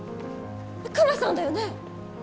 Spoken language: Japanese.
クマさんだよね？